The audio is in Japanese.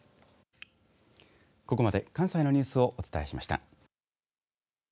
ここまで関西のニュースをお伝えしました。